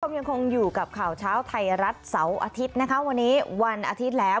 ยังคงอยู่กับข่าวเช้าไทยรัฐเสาร์อาทิตย์นะคะวันนี้วันอาทิตย์แล้ว